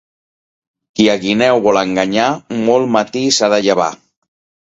Qui a guineu vol enganyar, molt matí s'ha de llevar.